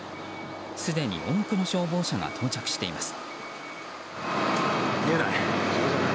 すでに多くの消防車が到着しています。